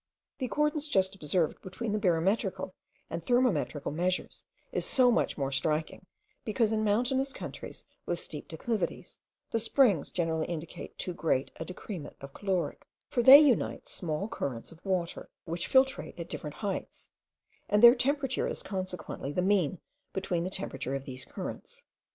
The accordance just observed between the barometrical and thermometrical measures is so much more striking, because in mountainous countries, with steep declivities, the springs generally indicate too great a decrement of caloric, for they unite small currents of water, which filtrate at different heights, and their temperature is consequently the mean between the temperature of these currents.